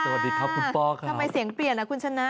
สวัสดีค่ะทำไมเสียงเปลี่ยนละคุณชนะ